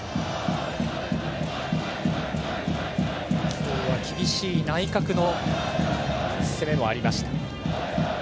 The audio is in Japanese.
今日は厳しい内角への攻めもありました。